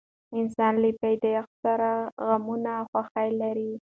انسان له پیدایښت سره غم او خوښي لري.